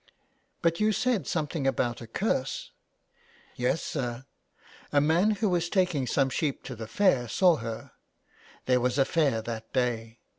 ''" But you said something about a curse." "Yes, sir, a man who was taking some sheep to the fair saw her : there was a fair that day.